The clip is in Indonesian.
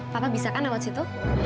papa bisa kan lewat situ